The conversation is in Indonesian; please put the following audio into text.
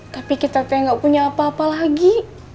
tapi kita kayak gak punya apa apa lagi